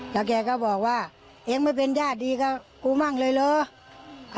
แล้วแกก็บอกว่าเองไม่เป็นญาติดีกับกูมั่งเลยเหรอ